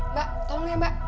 mbak tolong ya mbak